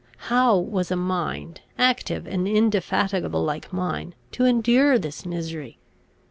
How was a mind, active and indefatigable like mine, to endure this misery?